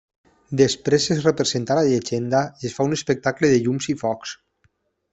Després es representa la llegenda i es fa un espectacle de llums i foc.